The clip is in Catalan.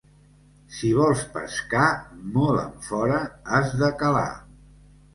Si vols pescar, molt enfora has de calar.